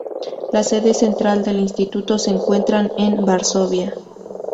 La sede central del instituto se encuentra en Varsovia.